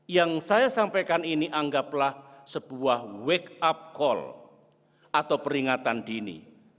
yang saya sampaikan ini anggaplah sebuah wake up call atau peringatan dini